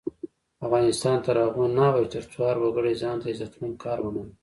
افغانستان تر هغو نه ابادیږي، ترڅو هر وګړی ځانته عزتمن کار ونه لري.